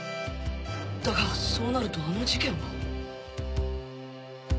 だがそうなるとあの事件は